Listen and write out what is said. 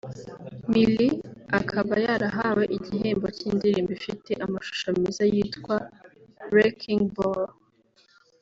Miley akaba yarahawe igihembo cy’Indirimbo ifite amashusho meza yitwa “Wrecking Ball”